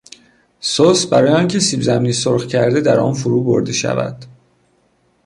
سس برای آن که سیبزمینی سرخ کرده در آن فرو برده شود.